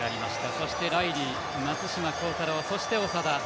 そして、ライリー、松島幸太朗そして長田。